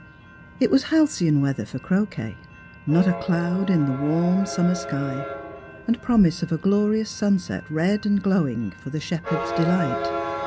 Ir waa halcyon weather for croquet; not a cloud in the warm summer sky, and promise of a glorious sunset, red and glowing, I! 14 Stranrjers and Pilrjrims. for " the shepherd's delight."